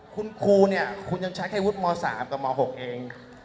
คุณครูเนี่ยคุณยังใช้แค่วุฒิม๓กับม๖เอง